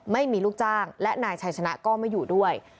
ไม่มีลูกจ้างและนายชัยชนะก็ไม่อยู่ด้วย